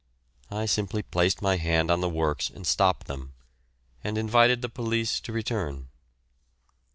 I simply placed my hand on the works and stopped them, and invited the police to return.